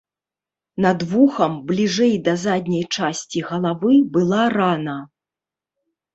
Над вухам, бліжэй да задняй часці галавы, была рана.